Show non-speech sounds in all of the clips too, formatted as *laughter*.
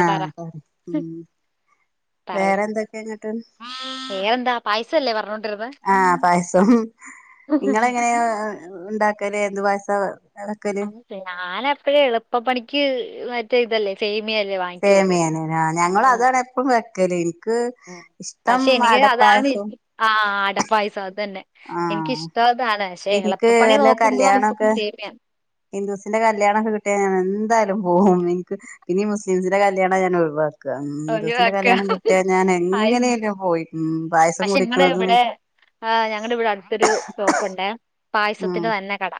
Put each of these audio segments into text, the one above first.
ആ പറ ഹും ഉം പറയൂ വേറെ എന്തൊക്കെന്ന്ട്ട് വേറെന്താ പായസല്ലേ പറഞ്ഞോണ്ടിരുന്നെ ആ പായസം ഹും നിങ്ങളെങ്ങനെ ഉണ്ടാക്കല് ഏത് പായസാ വെക്കല് അ ഞാനപ്പഴ് എളുപ്പപണിക്ക് മറ്റേ ഇതല്ലേ സേ സേമിയനനോ ഞങ്ങള് അതാണ് എപ്പളും വെക്കല്. ക്ക് ഉം. ഇഷ്ടം അടപ്പായസം അട പായസം അത് തന്നെ ആഹ് എനിക്കിഷ്ടള്ള സാധ എനിക്ക് നല്ല കല്യാണൊക്കെ സേമിയ ഹിന്ദൂസിന്റെ കല്യാണൊക്കെ കിട്ടിയ ഞാൻ എ എന്തായാലും പോവും ഇനിക്ക് പിന്നെ മുസ്ലിംസിന്റെ കല്യാണ ഞാൻ ഒഴിവാ ക ഹിന്ദുസിന്റെ ഒഴിവാക്ക കല്യാണം കിട്ടിയ ഞാൻ പായസം എങ്ങനെയല്ലോ പോയി ഉം പായസം കുടിക്ക്ണതും ആ ഞങ്ങുടെ ഇവിടെ അടുത്തൊരു ഷോപ്പുണ്ടേ ഉം പായസത്തിൻ്റേ തന്നെ കട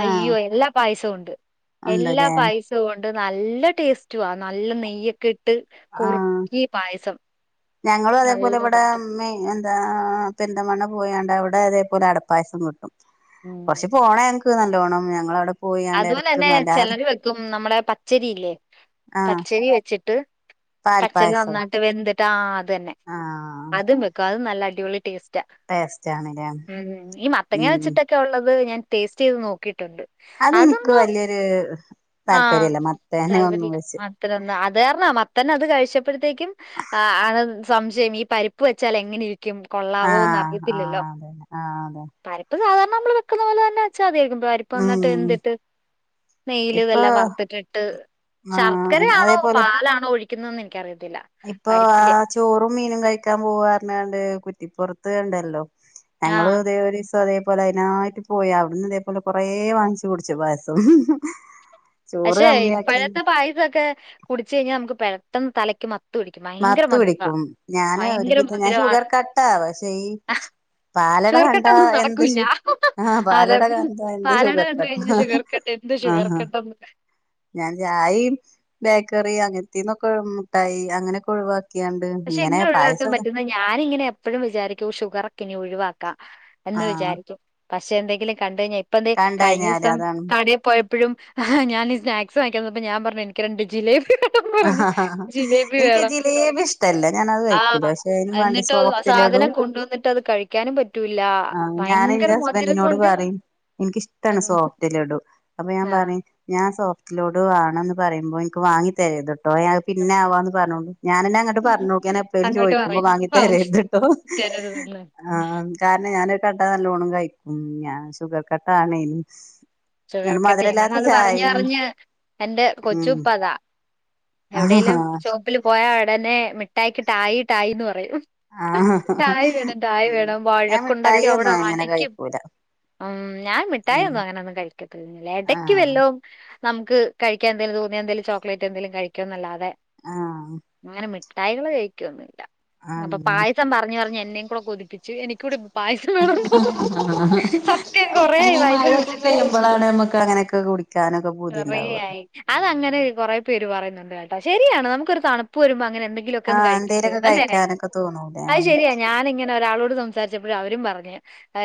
ആഹ് അയ്യോ എല്ലാ പായസവും ഉണ്ട് എല്ലാ ഉണ്ടല്ലേ പായസവും ഉണ്ട ണ്ട് നല്ല ട്രസ്റ്റും ആ നല്ല നെയ്യൊക്കെ ഇട്ട് ആഹ് കുറുക്കി പായസം. ഞങ്ങളും നല്ല അതേപോലെ ഇവിടെ പായസം മേ എന്താ പെരിന്തൽമണ്ണ പോയാണ്ട് അവിടെ അതേപോലെ അടപ്പായസം വെക്കും ഉം കുറച്ച് പോണം ഞക്ക് നല്ലോണം ഞങ്ങളവിടെ പോയാണ്ട് അതുപോലെ എടക്ക് തന്നെ വല്ലാതെ ചെലര് വെക്കും നമ്മുടെ പച്ചരിയില്ലേ ആഹ് പച്ചരി വെച്ചിട്ട് പച്ചരി പാൽപ്പായസോ നന്നായിട്ട് വെന്തിട്ട് ആ അത് തന്നെ ആഹ് അതും വെക്കും അത് നല്ല അടിപൊളി ടെസ്റ്റാ ടേസ്റ്റ് ആണ്ല്ലേ ഉം ഈ മത്തങ്ങ ഉം വെച്ചിട്ടൊക്കെ ഉള്ളത് ഞാൻ ടേസ്റ്റ് ചെയ്ത് നോക്കിയിട്ടുണ്ട്. അത് ഇൻക്ക് അതൊന്നും വല്യൊരു ആ താല്പര്യല്ല മത്തനെ ഒന്നും തല്പര്യല്ല വെച്ച് അത്രൊന്നൊനും വേർണം മത്തന് അത് കഴിച്ചപ്പോഴത്തേക്കും ആ സംശയം ഈ പരിപ്പ് വെച്ചാൽ എങ്ങനെ ഇരി ഇരിക്കും കൊള്ളാവോ എന്ന് ആഹ് ആഹ് അറിയത്തില്ലല്ലോ അതന്നെ ആഹ് അതെ പരിപ്പ് സാധാ നമ്മൾ വെക്ക്ണ പോലെ തന്നെ വെച്ചമതിയായിരിക്കും പരിപ്പ് നന്നായിട്ട് ഉം വെന്ത് നെയ്യ്ല് ഇപ്പൊ എല്ലാം വറത്തിട്ടിട്ട് ആഹ് ശർക്കരയാണോ അതേപോലെ പാലാണോ കുഴിക്കുന്നത് എന്ന് എനിക്കറിയാം ഇപ്പൊ ആ ചോറും മീനും കഴിക്കാൻ പോകാർഞ്ഞാണ്ട് കുറ്റിപ്പുറത്ത് ഇണ്ടല്ലോ ഞങ്ങള് ആഹ് ഇതേ ഒരീസം അതേ പൊലെ അതിനായിട്ട് പോയി അവിടുന്ന് ഇതേപോലെ കൊറേ വാങ്ങിച്ചു കുടിച്ചു പായസം. ചോറ് പക്ഷെ കമ്മിയാക്കി ഇപ്പഴത്തെ പായസക്കെ കുടച്ച് കഴിഞ്ഞാൽ നമുക്ക് പെട്ടെന്ന് തലയ്ക്ക് മത്ത മത്ത് പിടിക്കും ഭയങ്കര മത്ത് മധുര പിടിക്കും ഞാന് ഭയങ്കര ഒരുവിധം ഞാൻ ഷുഗർ മധുരാണ് കട്ടാ പക്ഷെ ഈ ഹ പാലട ഷുഗർ കട്ട്‌ കണ്ടാ ഒന്നും എന്ത് നടക്കൂല്ല ഷു ആഹ് അതെ പാലട കണ്ടാ എന്ത് പാലട ഷുഗർ കണ്ട് കട്ടാ കഴിഞ്ഞാ ഷുഗർ കട്ട് എന്ത് ഷുഗർ ആഹാ കട്ടന്ന് ഞാൻ ചായിം ബേക്കറി അങ്ങനത്തീന്നൊക്കെ മുിട്ടായി അങ്ങനെയൊക്കെ ഒഴിവാക്കി പക്ഷെ എങ്ങനെ ഒഴിവാക്കാൻ പറ്റുന്ന ഞാനിങ്ങനെ എപ്പഴും വിചാരിക്കും ഷുഗർ ഒക്കെ ഇനി ഒഴിവാ ക എന്ന് ആഹ് വിചാരിക്കും പക്ഷെ എന്തെങ്കിലും കണ്ട് കഴിഞ്ഞാൽ ഇപ്പം തേ കഴിഞ്ഞ കണ്ടഴിഞ്ഞാല് ദിവസം അതാണ് കടേ പോയ എപ്പോഴും ആഹ ഞാൻ ഈ സ്നാക്സ് വാങ്ങിക്കൻനിന്നപ്പോൾ ഞാൻ പറഞ്ഞു എനിക്ക് രണ്ട് ജിലേബി വേണം ആ പറഞ്ഞു ഹാ ഹ ജിലേബി എനിക്ക് വേണം ജിലേബി ഇഷ് ട്ടല്ല ഞാന് അത് കഴിക്കൂല ആഹ് പക്ഷെ അതിന് വേണ്ടി എന്നിട്ടോ സോഫ്റ്റ്ലടു സാധനം കൊണ്ടുവന്നിട്ട് അത് കഴിക്കാനും പറ്റൂല്ല ആ ഞാൻ ഭയങ്കര എൻ്റെ മധുരം ഹസ്ബൻഡിനോട് കൊണ്ട് പറയും എനിക്കിഷ്ടമാണ് ഉം സോഫ്റ്റ് ലഡു അപ്പൊ ഞാൻ ആഹ് പറയു ഞാൻ സോഫ്റ്റ് ലഡു ആണ് എന്ന് പറയുമ്പോൾ എനിക്ക് വാങ്ങി തരും. കേട്ടോ ഞൻ പിന്നെ ആവാന്ന് പറഞ്ഞോു ഞാന എന്നെ അങ്ങട്ട് പറഞ്ഞുോക്കാ എപ്പോഴും അങ്ങോട്ട് ചോദിക്കുമ്പോ പറയ് വാങ്ങി പറഞ്ഞ് തരത് കേട്ടോ *unintelligible* ഞാനത് കണ്ടാ നല്ലോണ്ണം കഴിക്കും ഞാൻ ഷുഗർ കട്ട് ആണേ ചേർക്കട്ടെ ഞാൻ അത് പറഞ്ഞ് പറഞ്ഞ് എന്റെ ഉം കൊച്ചുപ്പതാ ആഹ് എവിടെേലും ഷോപ്പിൽ പോയാ ഉടനെ മിഠായിക്കാ ഠായി ഠായിന്ന് പറയും ഹും. ആഹ് ഠായി വേണം ഠായി ഉം വേണം ഞാൻ വഴക്കുണ്ടാക്കി മിഠായി ഒന്നും അവിടെ അങ്ങനെ വലയ്ക്കും കഴിക്കൂല ഉം ഞാൻ ഉം മിട്ടായിന്നോ അങ്ങനെ ഒന്നും കഴിക്കത്തില്ല ഇടക്ക് ആഹ് വല്ലോ നമുക്ക് കഴിക്കാൻ എന്തെങ്കലും തോന്നിയ എന്തെങ്കിലും ചോക്ലേറ്റ് എന്തേലും കഴിക്കോന്നല്ലാതെ ആഹ് അങ്ങനെ മി മിഠായികള് കഴിക്ക ഒന്നുമില്ല അപ്പൊ ആഹ് പായസം പറഞ്ഞ് പറഞ്ഞ് എന്നെയും കൂടെ കൊതിപ്പിച്ച് എനിക്ക് കൂടി പായസം വേണൊന്ന് പറഞ്ഞു സത്യം കൊറേയായി അയ്ന് പായസം മഴയൊക്കെ കുടിച്ചിട്ട് പെയ്യുമ്പളാണ് നമ്മക്ക് അങ്ങനെയൊക്കെ കുടിക്കാനൊക്കെ പൂതിണ്ടാവ ചെറിയായി അതങ്ങനെ കൊറെ പേര് പറയുന്നു കേട്ടാ ശരിയാണ് നമുക്ക ഒരു തണുപ്പ് വരുമ്പോ അങ്ങനെ എന്തെങ്കിലൊക്കെന്ന് ആഹ് കഴിക്കാത്തൊള്ള് എന്തേലൊക്കെ അതെന്നെ ക കഴിക്കാനൊക്കെ തോന്നൂലേ അത് ഉം ശരിയാ ഞാൻ ഇങ്ങനെ ഒരാളോ സംസാരിച്ചപ്പോഴ അവരും പറഞ്ഞ്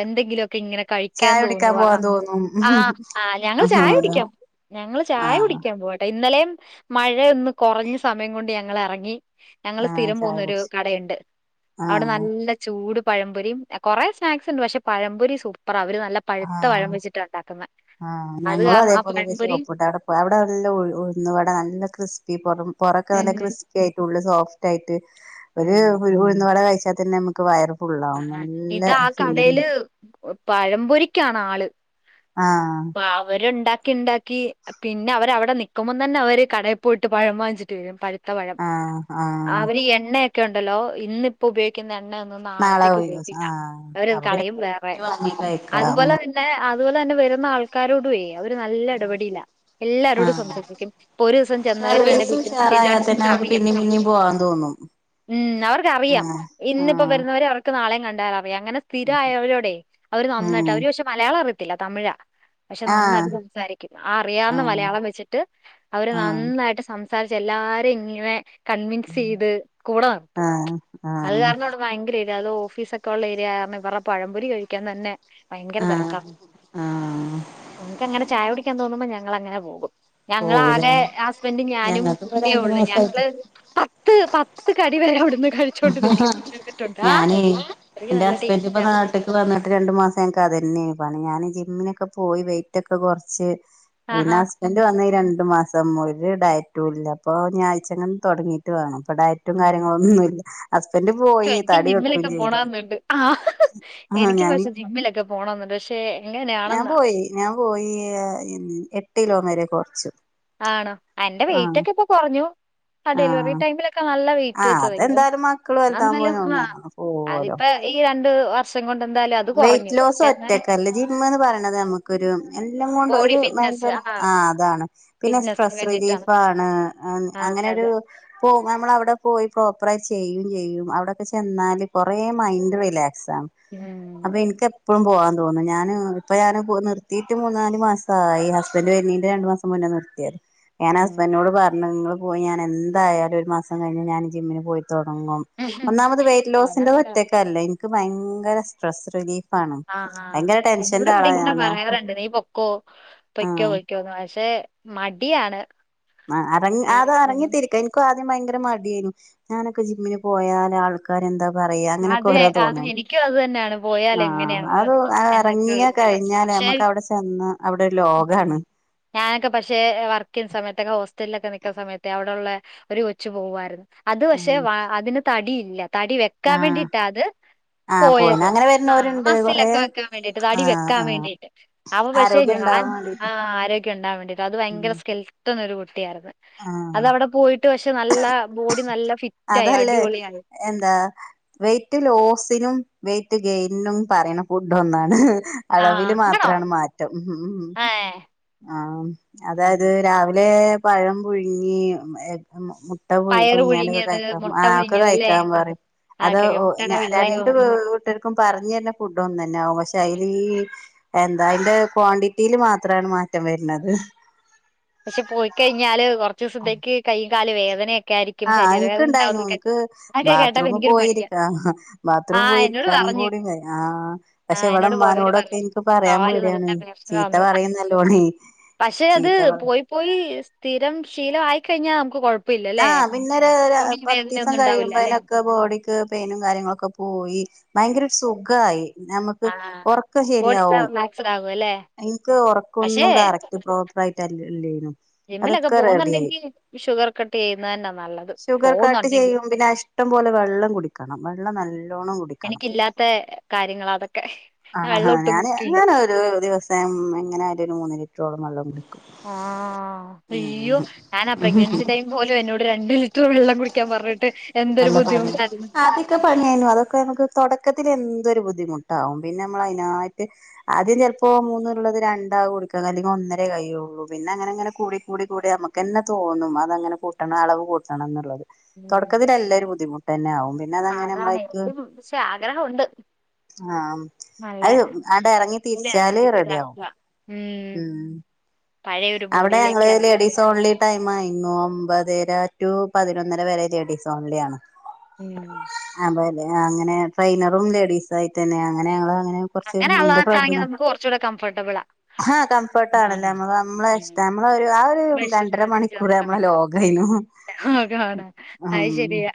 എന്തെങ്കിലുമൊക്കെ ഇങ്ങനെ കഴിക്കാൻ ചായ കുടിക്കാൻ തോന്നുവാ പോവാൻ തോന്നും ആ ആ ഞങ്ങള് ആഹ് ചായ അതാ കുടിക്കാം ഞങ്ങള് ചായ ആഹ് കുടിക്കാൻ പോവാട്ടെ ഇന്നലേം മഴയ ഒന്ന് കുറഞ്ഞ സമയം കൊണ്ട് ഞങ്ങളെറങ്ങി ഞങ്ങള് ആഹ് സ്ഥിരം ചായ പോകുന്ന ഒരു കുടിച്ച് കടയുണ്ട് അവിടെ ആഹ് നല്ല ചൂട് പഴംപൊരി കുറെ സ്നാക്സ് ഉണ്ട് പക്ഷെ പഴംപൊരി സൂപ്പറാ അവര് നല്ല പഴുത്ത ആഹ് പഴംപൊരിച്ചിട്ടാണ് ഉണ്ടാക്കുന്നെ ആഹ് ഞങ്ങളും അതേപോലെദേ ഷോപ്പിട്ട് വിടെ അവിടെ നല്ല ഉ ഉഴുന്ന് വട നല്ല ക്രിസ് ഇ പൊറം പൊറോകെ ഉം നല്ല ക്രിസ്പി ആയിട്ട ഉള്ള സോഫ്റ്റ് ആയിട്ട് ഒരു ഉം ഉഴുന്ന്വട കഴിച് ഒക്കതന്നെ നമുക്ക് വയറും ആ ഇതാ കടയില് പഴമ്പൊരിക്കാണ് ആള് ആഹ് അ അവരുണ്ടാക്ക ക്കെ ഉണ്ടാക്കി പിന്നെ അവരവിടെ നിക്കുമ്പോ തന്നെ അവര് കടയിൽ പോയിട്ട് പഴം വാങ്ങിച്ചിട്ട് വരും പഴു ത്ത വഴം ആഹ് ആഹ് അവര് ഈ എണ്ണയൊക്കെ ഉണ്ടല്ലോ ഇന്ന ഇപ്പോ ഉപയോഗിക്കുന്ന എണ്ണ നാളെ നാളെത്തേക് ഒഴിവ് ദിവസം ഉപയോഗിക്കില്ല ആഹ് അവര് അപ്പൊ പിന്നെ കളയും വേറെ വാങ്ങി കഴിക്കാം ഉം അതുപോലെതന്നെ അ അതുപോലെന്നെ വരുന്ന ആൾക്കാരോഡേയ് അവ ഒരു നല്ല ഇടപടിയില്ല എല്ലാരോടും ആഹ് സംസാസിക്കും ഇപ്പൊ ഒരു ദിസം ചെന്നവര് തന്നെ പിറ്റോസം ചെല്ലാണെങ്കി പിന്നെ പിന്നേം പോവാൻ തോന്നും ഉം അവർക്ക്റിയാം ആഹ് ഇന്നിപ്പോ ആഹ് വരുന്നവര് അവർക്ക് നാളെയും കണ്ട അറിയാം അങ്ങനെ സ്ഥിരയവരോടെ അവര് നന്നായി ട്ട് ഉം അവര് പക്ഷെ മലയാളം അറി യത്തില്ല തമിഴാ പക്ഷെ ആഹ് നന്നായിട്ട് സംസാരിക്കും ആ അറിയാവുന്ന ആഹ് മലയാളം വെച്ചിട്ട് അവര് ആഹ് നന്നായിട്ട് സം സാരിച് എല്ലാരും ഇങ്ങനെ കൺവിൻസ് ഉം ചെയ്ത് കൂടെ നടത്തും ആഹ് അത് ആഹ് കാരണം അവിടെ ഭയങ്കര യെലോ ഓഫീസ ഒക്കെ ഉള്ള ഏരിയ കാരണം ഇവരുടെ പഴംപൊരി കഴിക്കാൻ തന്നെ ഭയങ്കര തെരക ആഹ് ആഹ് നമക്ക് അങ്ങനെ ചായ കുടിക്കാൻ തോന്നുമ്പോ ഞങ്ങളങ്ങനെ പോകും ഞങ്ങള പോവുലേ ആകെ ഹസ്ബൻഡും ഞാനും ഞങ്ങൾക്കിപ്പോ ഇന രണ്ട് ഉള്ളൂ ഞങ്ങള് മാസായിട്ട് പത്ത് പത്ത് ക അടി വരെവിടുന്ന് കഴിച്ചുകോണ്ട് ഇരിക്കും ഞാനെ എന്റെ ഹസ്ബൻഡ് ഇപ്പ നാട്ട്ക്ക് വന്നിട്ട് രണ്ടു മാസം ങ്ങക്ക് അതെന്നെണ് പണി ഞാനിജി മ്മിനൊക്കെ പോയി വെയിറ്റ് ഒക്കെ കുറച്ച് പിന്നെ ആഹാ ഉം ഹസ്ബൻറ് വന്ന് രണ്ടു മാസം സമൂല് ഡയറ്റും ഇല്ല അപ്പൊ ഞാഴ്ചങ്ങങ് തുടങ്ങിയിട്ട് വേണം അപ്പൊ ഡയറ്റും കാര്യങ്ങളൊന്നുംല്ല ശേ എനിക്ക് ജിമ്മിലൊക്കെ ചെയ്തു പോണന്നുണ്ട് ആ ആഹ് എനിക്ക് ഞാന് പക്ഷെ ജിമ്മിലൊക്കെ പോണംന്നുണ്ട് പക്ഷെ ഞാൻ എങ്ങനെയാണെന്നാ പോയി ഞാൻ പോയി എട്ട്ലോ വരെ കുറച്ചു ആണോ എന്റെ വെയിറ്റ് ഒക്കെ ഇപ്പൊ കുറഞ്ഞു ആ ഡെലിവറി ആഹ് ടൈമിലൊക്കെ നല്ല ല്ല വെയിറ്റ് ആഹ് വെച്ചത് അതെന്തായാലും മക്കള് ന്നന്നല്ല വലുതാവുമ്പോ അതിപ്പോ ഇയ രണ്ട് വർഷം കൊണ്ട് എന്താ വെയിറ്റ്ലോസ് ഒറ്റക്കല്ല ജിംന്ന് പറയണത് നമുക്കൊരു എല്ലാം കൊണ്ട് ബോഡി ഒരു ഫിറ്റ്നസ് ഭയങ്കര ആ അതാണ് പിന്നെ ഫിറ്റ്നസിന് സ്ട്രെസ് വേണ്ടിട്ടാണ് റിലീഫ് ആണ് അതെ അങ്ങനോരു അതെ പോക നമ്മൾ അവിടെ പോയി പ്രോപ്പറ ആയി ചെയ്യും ചെയ്യും അവിടോക്കെ ചെന്നാല് കുറേ മൈൻഡ് റിലാക് ഉം അപ്പൊ എനിക്ക് എപ്പോഴും പോവാൻ തോന്നും ഞാന് ഇപ്പൊ ഞാന് നിർത്തിയിട്ട് മൂന്നാല് മസായി ഹസ്ബൻഡ് വരണീന്റെ രണ്ടു മാസം മുന്ന നിർത്തിയത് ഞാൻ ഉം ഹസ്ബൻറിനോട് പറഞ്ഞു നിങ്ങള് പോയി ഞാൻ എന്തായാലും ഒരു മാസം കഴിഞ്ഞ് ഞാൻ ജിമ്മിന് പോയി തുടങ്ങും ഒന്നാമത് വെയ്റ്റ് ലോസിന്റെ അങ്ങനല്ല ഒറ്റക്ക അല്ല എനിക്ക് ഭയങ്കര സ്ട്രെസ്സ് റിലീഫ് ആഹ് ആ എന്ന ഇവിടെ ഇങ്ങനെ ഞാന് പറയാറുണ്ട് നീ പൊക്കോ പൊയ്ക്കോ ആഹ് പൊയ്ക്കോന്ന് പക്ഷെ മടിയാണ് ആ അറങ്ങ അത് അറങ്ങിത്തിരിക്ക എനിക്കും ആദ്യം ഭയങ്കര മടിയായിന്നു ഞാനൊക്കെ ജിമ്മിന് പോയാല് ആൾക്കാരെന്താ പറയ അങ്ങനെയൊക്കെ അതെ ഓരോ അത് തോന്നൽ എനിക്കും അത് തന്നെയാണ് പോയാൽ ആ എങ്ങനെയാണ് അത്റങ്ങി എന്നൊക്കെയുള്ള ഒരിതാ കഴിഞ്ഞ ല പക്ഷെ നമുക്ക് അവിടെ ചെന്ന അവിടെ ഒരു ലോകാണ് ഞാനൊക്കെ പക്ഷേ വർക്ക് ചെയ്യുന്ന സമയത്തൊക്കെ ഹോസ്റ്റലിലൊക്കെ നൽക്കുന്ന സമയത്ത് അവിടോള്ള ഒരു കൊച്ചു പോകായിരുന്ന് അത് പക്ഷെ ഉം വ അതിന് തടിയില്ല തടി വെക്കാൻ ആഹ് വേണ്ടിട്ടാ അത് ആഹ് പോയിന് പോയത് അങ്ങനെ ആഹ് വരുന്നോരുണ്ട് കൊറേ മസ്സിലൊക്കെ വെക്കാൻ വേണ്ടീട്ട് തടി ആഹ് വെക്കാൻ ആഹ് വേണ്ടിട്ട് അവ പക്ഷെ ആരോഗ്യം ഉണ്ടാവാൻ ആ വേണ്ടീട്ട് ആരോഗ്യം ഉണ്ടാൻ വേണ്ടിയിട്ട് അത് ഭയങ്കര സ്കിൽ പുന്നൊരു കുട്ടിയായിരുന്നു ആഹ് അതവിടെ പോയിട്ട് പക്ഷെ നല്ല ബോഡി നല്ല ഫിറ്റായി അതല്ലേ അടിപൊളിയായി എന്താ വെയിറ്റ് ലോസിനും വെയയിറ്റ് ഗെയിനും പറയുന്ന ഫുഡ ഒന്നാണ് ആ അളവിൽ ആണോ മാത്രമാണ് മാറ്റം ഉ ആ ഏ അതായത് രാവിലെ പഴം പുഴുങ്ങി മുട്ട പു പയറ് പുഴുങ്ങിയാണ്ട് പുഴുങ്ങിയത് കഴ മുട്ട ആ ഒക്കെ പുഴുങ്ങിയത് അല്ലേ കഴിക്കാൻ ആഹ് പറയും അത ആക്കെ മുട്ടയുടെ രണ്ട വെള്ളയവും വീട്ടുകർക്കും പറഞ്ഞ തരുന്ന ഫുഡ ഒന്ന തന്നെ ആും പക്ഷെ അൈല എന്താ അതിന്റെ ക്വാണ്ടിറ്റിൽ മാത്രമാണ് മാറ്റം വരുന്നത് പക്ഷെ പോയി കഴിഞ്ഞാല് കുറച്ച ദിവസത്തേക്ക് കൈ്യുംകാലല് വേദനയൊക്കെ ആയിരിക്കും ആഹ് എനക്ക് ശരീരവേദന ഇണ്ടായിന ഉണ്ടാവുന്നൊക്കെ നിനക്ക് അതൊക്കെ കേട്ടപ്പോ ബാത്റൂം എനിക്കൊരു മടിയാ പോയിരിക്കാ ബാത്റൂം ആഹ് എന്നോട് പോയിരിക്കാ പറഞ്ഞു ആ പക്ഷെ ആഹ് ഇവിടെ എന്നോട് പോയവര് അമ്നോടൊക്കെ പറഞ്ഞു എനിക്ക് പറയാൻ കാല് പേടിയാണ് നല്ല ചീത്ത പ്രശ്നാന്ന് പറയുന്നല്ലോ ത പക്ഷെ അത് പോയി പോയി സ്ഥിരം ശീല ആയിക്കഴിഞ്ഞാൽ നമുക്ക് കൊഴപ്പ ആഹ പിന്നെ ഒരു പത്ത് ദിവസം ഒന്നും ഉണ്ടാവില്ല കഴിയുമ്പോ അല്ലെ അതിനൊക്കെ ബോഡിക്ക് പെയിനും കാര്യങ്ങളൊക്കെ പോയി ഭയങ്കര സുഖമായി നമുക്ക് ആഹ് ഉറക്കം ബോഡി ശരിയാവും റിലാക്സ്ഡ് ആകും അല്ലേ എനിക്ക് പക്ഷേ ഉറക്കൊന്നും കറക്റ്റ് പ്രോപ്പർ ആയിട്ടല്ലല്ലു ജെമ്മിലൊക്കെ പോകുന്നുണ്ടെങ്കിൽ ഷുഗർ കക്കട്ട് ചെയ്യുന്നത് തന്നെ നല്ലത് ഷുഗർ കട്ട് പോകുന്നുണ്ടെങ്കിൽ ചെയ്യും പിന്നെ ഇഷ്ടം പോലെ വെള്ളം കുടിക്കണം വെള്ളം നല്ലോണം കുടിക്കണം എനിക്കില്ലാത്ത കാര്യങ്ങൾ അതൊക്കെ ഞാൻ ആഹാ വെള്ളം ഒട്ടും ഞാന് കുടിക്കില്ല ഞാന ഒരു ദിവസം എങ്ങനെ ആാല ഒരു മൂന്ന് ലിറ്ററോളം വെള്ളംുണ്ട് ആഹ അയ്യോ ഞാൻ ആ പ്രെഗ്നെൻസി ടൈം പോല എന്നോട് രണ്ട് ലിറ്റർ വെള്ളം കുടിക്കാൻ പറഞ്ഞട്ട് നല്ല പണി ആദ്യൊക്കെ പണിയായിനു അതൊക്കെ നമക്ക് തുടക്കത്തി എന്തരു ബുദ്ധിമുട്ട് ട്ടാവും പിന്നെ നമ്മള അതിനായിട്ട് ആദ്യം ചിലപ്പോ മൂന്ന ഉള്ളത് രണ്ടാ കുടിക്കാ അല്ലെങ്കിൽ ഒന്നേ കൈയുള്ളൂ പിന്നെ അങ്ങനെ അങ്ങനെ കൂടി കൂടി കൂടെ നമുക്ക് എന്നെ തോന്നും അത അങ്ങനെ കൂട്ടണം അളവ് കൂട്ടണം എന്നുള്ളത് ഉം എല്ലരു ബുദ്ധിമുട്ട് തന്നെ ആവുംും പിന്നെ അതങ്ങനെ അതാണ് നമ്മളക്ക് എനിക്കും പക്ഷെ ആഗ്രഹമുണ്ട് ആഹ നല്ല അത് അവിടെ ഇറങ്ങി കൂടി നല്ല തിരിച്ചാല് റെഡി ആവും ഫിറ്റാക്കുക ഉം പഴയൊരു അവിടെ ബോഡിയിലേക്ക് ഞങ്ങള് ലേഡീസ് അരക്കണ്ടത് ഓൺലി ടൈംയിരുന്നുൂ അമ്പത്ര ടു പതിനൊന്നര വരെ തേടിീസ് ഓൺലിയാണ് ഉം അങ്ങനെ ട്രെയിനറും ലേഡീസ ആയിട്ട തന്നെ അങ്ങ അങ്ങനെ അനറ ഉള്ളതാണെങ്കിൽ ന നമുക്ക് കുറച്ചുകൂടെ കംഫർട്ടബിളാ ആ കംഫർട്ട ആണല്ല ഉം നമ്മ ഇഷ്ട ഉം നമ്മള ഒരു ആ ഒരു നമ്മുടെ രണ്ടര മണിക്കൂർ നമ്മളെ ലോകേനു ഓണ അത് ഉം ശരിയാ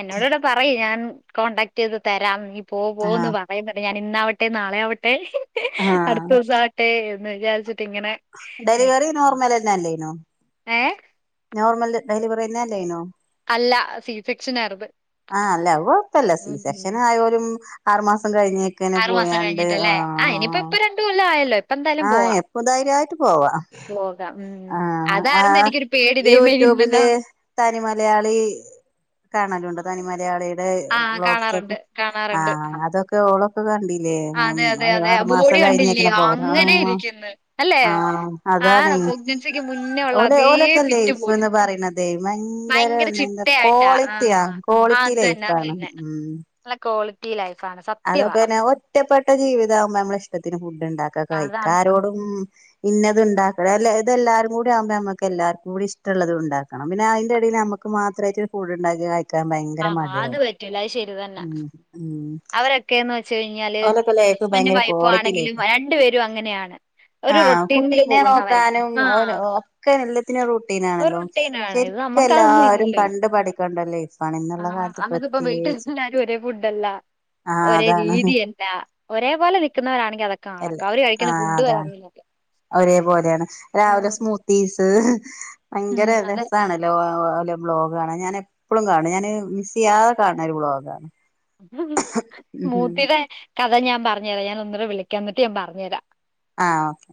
എന്നോട ഇവിടെ പറയും ഞാൻ കോടാക്ട് ചെയ്ത് തരാം നഈ പോ ആഹ് പോന്ന് പറയുന്നുണ്ട് ഞാൻ ഇന്നാവട്ടെ നാളെ ആവട്ടെ ആഹ് അടുത്ത ദിവസം ആട്ടെ എന്ന് വിചാരിച്ചി ഡെലിവറി നോർമൽ തന്നെല്ലേനോ ഏ നോർമൽ ഡെലിവറിുന്ന അല്ലേനോ അല്ല സി സെക്ഷൻ അറിത്് ആഹല്ലപ്പല്ല സ സെക്ഷന ആയ ഒരുും ആറുമാസം ദസം കഴിഞ്ഞക്കനെ ആറു മാസം പോയാണ്ട് ആ കഴിഞ്ഞിട്ടല്ലേ ആഹ് ഇനിയിപ്പോ ഇപ്പൊ രണ്ട് കൊല്ലം ആയല്ലോ ഇപ്പ എന്തായാലും ആഹ പോവാം എപ്പ ധൈര്യമായിട്ട് പോവാ പോകാം ഉം ആ ആ അതായിരുന്നു എനിക്കൊരു പേടി ദൈവമേ യൂടൂബ് ഇന്നലെ യൂബില് തനി മലയാളി കാണലുണ്ട് തനി മലയാളി ടെ ആഹ് ബ്ലോക്സ്ക്കെ കാണാറുണ്ട് ആ കാണാറുണ്ട് ആഹ് അതൊക്കെ ഓളും അതെ അതെ അതെ ബോഡി കണ്ടില്ലേ കഴിഞ്ഞേക്കനെ പോവല് അങ്ങനെ ആഹ് ഇരിക്കുന്നു അല്ലേ ആഹ് ആ അതാണ് പൊഗൻസിക്ക് മുന്നേ ഉള്ള ഓല് അതേ ഓലൊക്കെ ഫിറ്റ് ബോഡി ലൈഫ്ന്ന് പറയണതേ ഭയങ്കര എന്താ ചിട്ടയായിട്ടാ ആ ക്വാളിറ്റിയാ ക്വാളിറ്റി അത് തന്നെ അത് ലൈഫാണ് തന്നെ ക്വാളിറ്റി ലൈഫ് അതൊക്കെ തന്നെ ഒറ്റപ്പെട്ട ജീവിതാവുമ്പോ നമ്മള ഇഷ്ടത്തിന് ഫുഡ് ഉണ്ടാക്ക കഴിക്ക അതാണ് ആരോടും ഇന്ന ഇത് ഉണ്ടാക്കണം അല്ല ഇതെല്ലാരും കൂടി ആകുമ്പോ നമ്മക്ക് എല്ലാർക്കും കൂടി ഇഷ്ടമുള്ളത് ഉണ്ടാക്കണം പിന്നെ അതിന്റെ എടേല് നമുക്ക് മാത്രമായിട്ട് ഫുഡ് ഉണ്ടാക്കിട്ട് കാ ക്കാൻ ആ ഭയങ്കര അത് മടിയാവും പറ്റൂല അത് ശരി ഉം ഉം ച്ച് കഴിഞ്ഞാല് ഓലൊക്കെ ലൈഫ് ഹസ്ബൻഡും ഭയങ്കര വൈഫും ആണെങ്കിലും രണ്ടു പേരും അങ്ങനെയാണ് ഒരു ആഹ റൊട്ടീനില് കുട്ടീനെ പോകുന്നവരാ നോക്കാനും ആ ഒക്കെ എല്ലത്തിനും ഒരു റൂട്ടീനാണല്ലോ റൊട്ടീനാണ് ശരി ഇത് എല്ലാരും കണ്ട് പഠിക്കണ്ടല്ലേ ആഹ നമ്മക്കിപ്പ വീട്ടിൽല്ലാരും ഒരേ ഫുഡല്ല ആഹ് ഒരേ അതാണ് രീതിയല്ല അല്ല ഒരേ പോലെ നിക്കുന്നവരാണങ്കി അതൊക്കെ നടക്ക അവര് കഴിക്കുന്ന ഫുഡ് വരെ ഒരേപോലെയാണ് രാവിലെ ഉം സ്മൂത്തീസ് ഉം ഭയങ്കര അതെ രസണല്ലോ ഓലെ ബ്ലോഗാണ് ഞാൻ എപ്പോളും കാണും ഞാന് മിസ് ചെയ്യാതെ കാണണ ഒരു ബ്ലോഗാണ് ഉം സ്മൂത്തിയുടെ കഥ ഞാൻ പറഞ്ഞു തരാം ഞാൻ ഒന്ന വിളിക്കാ എന്നിട്ട് ഞാൻ പറഞ് തരാം ആഹ ഓക്കെ